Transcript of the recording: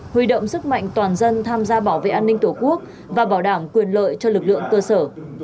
huy động sức mạnh toàn dân tham gia bảo vệ an ninh tổ quốc và bảo đảm quyền lợi cho lực lượng cơ sở